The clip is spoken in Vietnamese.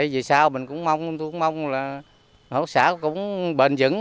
vì sao tôi cũng mong là hợp tác xã cũng bền dững